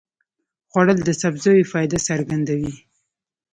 خوړل د سبزیو فایده څرګندوي